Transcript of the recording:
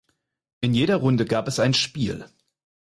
In jeder Runde gab es ein Spiel.